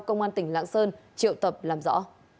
công an tỉnh lạng sơn triệu tập làm rõ